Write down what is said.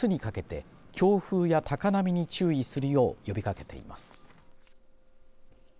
気象台はあすにかけて強風や高波に注意するよう呼びかけています。